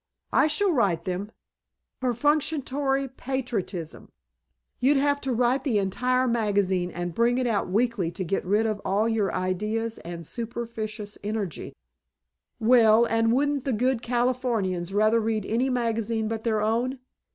"I shall write them." "Perfunctory patriotism. You'd have to write the entire magazine and bring it out weekly to get rid of all your ideas and superfluous energy." "Well, and wouldn't the good Californians rather read any magazine but their own?